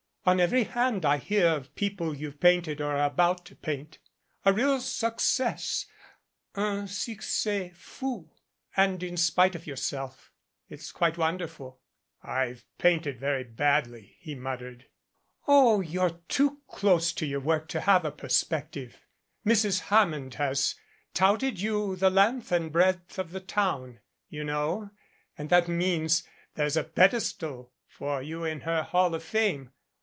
"On every hand I hear of people you've painted or are about to paint. A real success un succes fou and in spite of yourself! It's quite wonderful." "I've painted very badly," he muttered. "Oh, you're too close to your work to have a per spective. Mrs. Hammond has touted you the length and breadth of the town you know and that means there's a pedestal for you in her Hall of Fame.